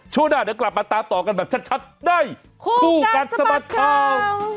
ช่วงหน้าเดี๋ยวกลับมาตามต่อกันแบบชัดชัดได้คู่การสมัครครับ